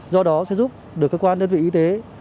do đó sẽ giúp được cơ quan đơn vị y tế